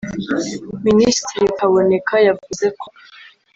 Minisitiri Kaboneka yavuze ko